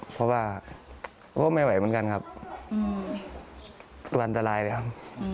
เพราะว่าก็ไม่ไหวเหมือนกันครับหวั่นตลายเลยครับ